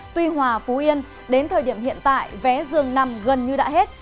tuy hòa phú yên đến thời điểm hiện tại vé dường nằm gần như đã hết